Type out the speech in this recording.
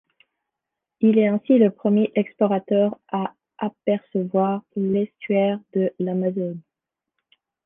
Il est ainsi le premier explorateur à apercevoir l'estuaire de l'Amazone.